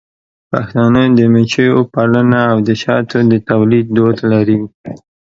پښتانه د مچیو پالنه او د شاتو د تولید دود لري.